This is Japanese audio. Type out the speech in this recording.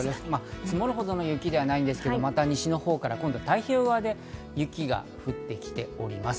積もるほどの雪ではないんですが、また西の方から今度は太平洋側で雪が降ってきております。